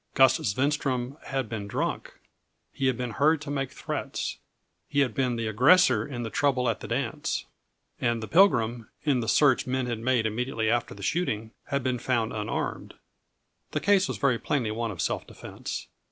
Gus Svenstrom had been drunk; he had been heard to make threats; he had been the aggressor in the trouble at the dance; and the Pilgrim, in the search men had made immediately after the shooting, had been found unarmed. The case was very plainly one of self defense.